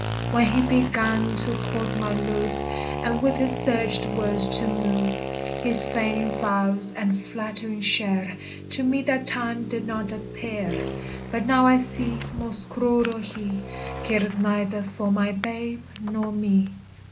_ When he began to court my luve, And with his sugred words to muve, His faynings fals and flattering cheire To me that time did not appeire: But now I see, most cruell hee, Cares neither for my babe nor mee.